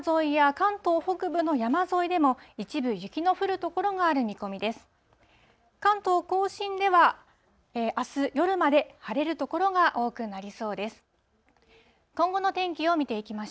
関東甲信では、あす夜まで、晴れる所が多くなりそうです。